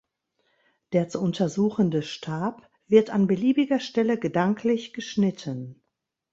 Der zu untersuchende Stab wird an beliebiger Stelle gedanklich geschnitten.